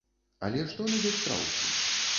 Але што любяць страусы?